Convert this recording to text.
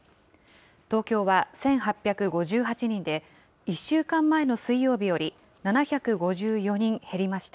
東京は１８５８人で、１週間前の水曜日より７５４人減りました。